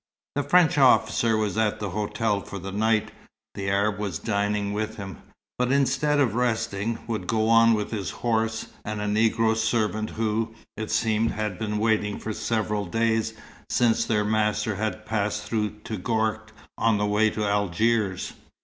The French officer was at the hotel for the night; the Arab was dining with him, but instead of resting, would go on with his horse and a Negro servant who, it seemed, had been waiting for several days, since their master had passed through Touggourt on the way to Algiers.